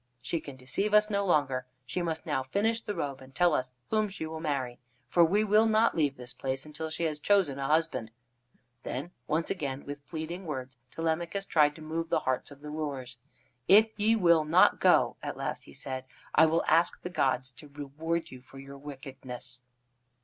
She can deceive us no longer. She must now finish the robe, and tell us whom she will marry. For we will not leave this place until she has chosen a husband." Then, once again, with pleading words, Telemachus tried to move the hearts of the wooers. "If ye will not go," at last he said, "I will ask the gods to reward you for your wickedness."